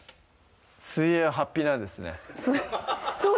水泳ははっぴなんですね